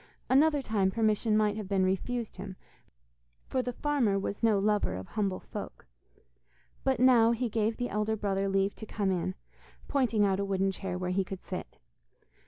Another time permission might have been refused him, for the farmer was no lover of humble folk, but now he gave the elder brother leave to come in, pointing out a wooden chair where he could sit.